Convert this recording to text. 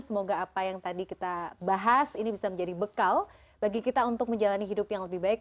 semoga apa yang tadi kita bahas ini bisa menjadi bekal bagi kita untuk menjalani hidup yang lebih baik